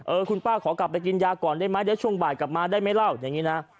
คุณป้าขอกลับไปกินยาก่อนได้ไหมเดี๋ยวช่วงบ่ายกลับมาได้ไหมเล่าอย่างนี้นะ